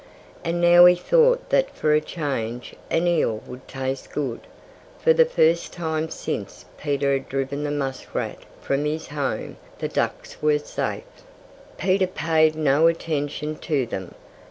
And now he thought that for a change an eel would taste good. For the first time since Peter had driven the muskrat from his home the ducks were safe. Peter paid no attention to them.